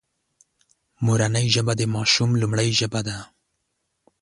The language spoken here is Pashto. مورنۍ ژبه د ماشوم لومړۍ ژبه ده